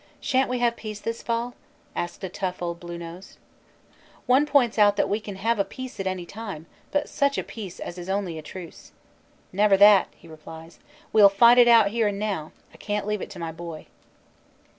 "Shan t we have peace this fall?" asks a tough old Blue nose. One points out that we can have a peace at any time, but such a peace as is only a truce. "Never 7 82 CANADA S HUNDRED DAYS that," he replies. "We ll fight it out here and now; I can t leave it to my boy."